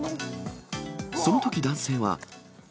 そのとき男性は。